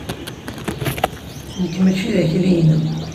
Nekk mačči d akli-inem.